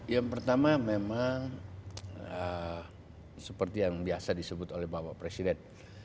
yang pertama memang seperti yang biasa disebut oleh bapak presiden